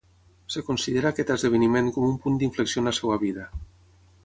Es considera aquest esdeveniment com un punt d'inflexió en la seva vida.